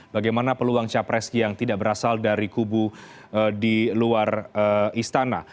bagaimana peluang capres yang tidak berasal dari kubu di luar istana